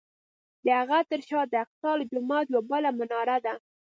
د هغه تر شا د الاقصی جومات یوه بله مناره ده.